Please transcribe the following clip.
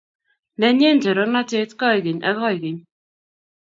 Nenyi torornatet koigeny ak koigeny.